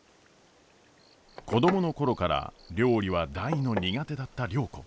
子供の頃から料理は大の苦手だった良子。